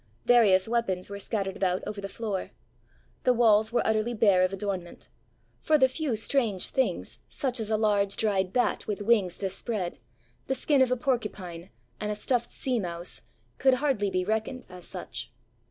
Various weapons were scattered about over the floor. The walls were utterly bare of adornment; for the few strange things, such as a large dried bat with wings dispread, the skin of a porcupine, and a stuffed sea mouse, could hardly be reckoned as such.